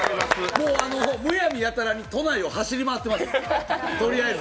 もう、むやみやたらに都内を走り回ってます、とりあえず。